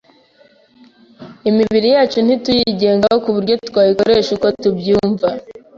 Imibiri yacu ntituyigengaho ku buryo twayikoresha uko tubyumva